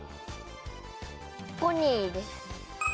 ポニーです。